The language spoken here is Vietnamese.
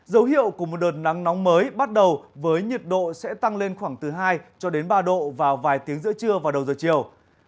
dấu hiệu của một đợt nắng nóng mới bắt đầu với nhiệt độ sẽ tăng lên khoảng từ hai cho đến ba độ vào vài tiếng giữa trưa và đầu giờ chiều